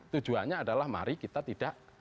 tujuannya adalah mari kita tidak